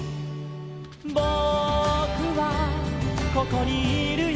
「ぼくはここにいるよ」